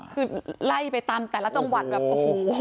คือไล่ไปตามแต่ละจังหวัดแบบโอ้โห